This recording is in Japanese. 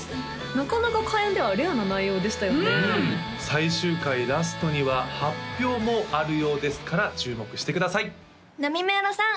なかなか開運ではレアな内容でしたよね最終回ラストには発表もあるようですから注目してくださいなみめろさん